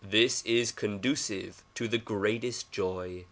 This is conducive to the greatest joy.